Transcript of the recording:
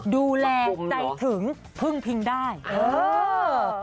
ดูแลใจถึงพึ่งพิงได้เออ